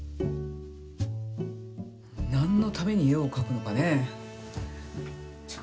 なんのために絵をかくのかね。